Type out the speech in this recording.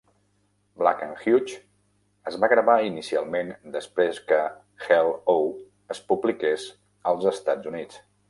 "Black and Huge" es va gravar inicialment després que "Hell-O" es publiqués als Estats Units.